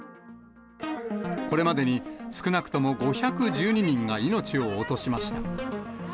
これまでに少なくとも５１２人が命を落としました。